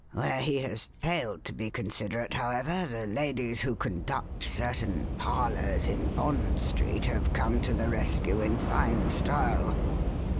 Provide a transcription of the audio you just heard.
Where he has failed to be considerate, however, the ladies, who conduct certain 'parlours' in Bond Street, have come to the rescue in fine style."